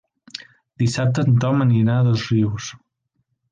Dissabte en Tom anirà a Dosrius.